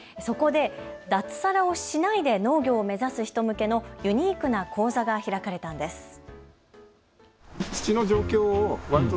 そこで脱サラをしないで農業を目指す人向けのユニークな講座が開かれたんです。